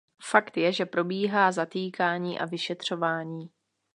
Fakt je, že probíhá zatýkání a vyšetřování.